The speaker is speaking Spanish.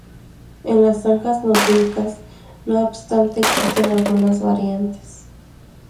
En las sagas nórdicas, no obstante, existen algunas variantes.